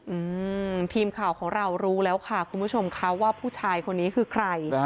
อืมทีมข่าวของเรารู้แล้วค่ะคุณผู้ชมค่ะว่าผู้ชายคนนี้คือใครอ่า